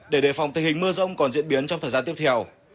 để đề phòng tình hình mưa rông còn diễn biến trong thời gian tiếp theo